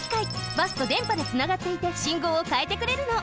バスとでんぱでつながっていてしんごうをかえてくれるの。